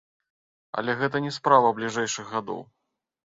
Але гэта не справа бліжэйшых гадоў.